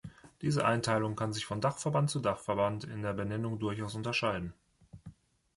Diese Einteilung kann sich von Dachverband zu Dachverband in der Benennung durchaus unterscheiden.